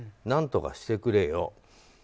何とかしてくれよ。